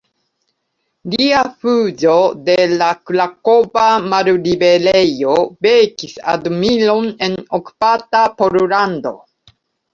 Lia fuĝo de la krakova malliberejo vekis admiron en okupata Pollando.